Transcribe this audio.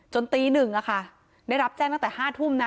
จนตีหนึ่งอะค่ะได้รับแจ้งตั้งแต่ห้าทุ่มนะ